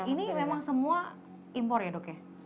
ini memang semua impor ya dok ya